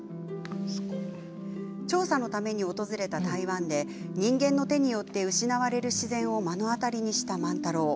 調査のために訪れた台湾で人間の手によって失われる自然を目の当たりにした万太郎。